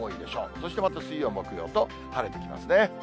そしてまた水曜、木曜と晴れてきますね。